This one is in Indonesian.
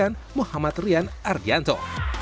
dan muhammad rian ardianto